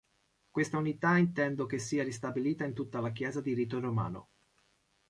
Questa unità intendo che sia ristabilita in tutta la Chiesa di Rito Romano.